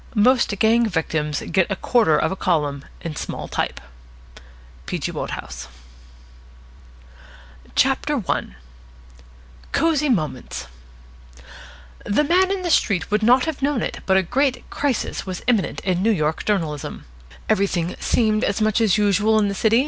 Most gang victims get a quarter of a column in small type. P. G. WODEHOUSE New York, 1915 CHAPTER I "COSY MOMENTS" The man in the street would not have known it, but a great crisis was imminent in New York journalism. Everything seemed much as usual in the city.